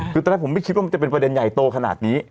คือตอนแรกผมไม่คิดว่ามันจะเป็นประเด็นใหญ่โตขนาดนี้